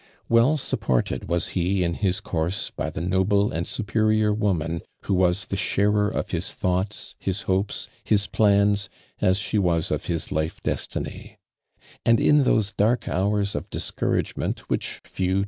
Well supported was he in his course by the noble and superior woman who was the Hiiarer of his thoughts, his hopes, his plans, as she was of his lifu destiny ; and in thoB«' dark hours of discouragement whicli few t.